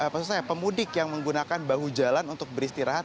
maksud saya pemudik yang menggunakan bahu jalan untuk beristirahat